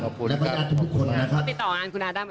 เขาติดต่อกันคุณอาได้เหมือนเดิม